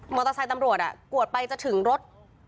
เตอร์ไซค์ตำรวจกวดไปจะถึงรถ